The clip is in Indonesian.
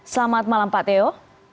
selamat malam pak teo